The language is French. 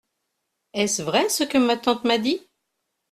Est-ce vrai ce que ma tante m’a dit ?